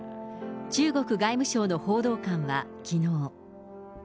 中国外務省の報道官はきのう。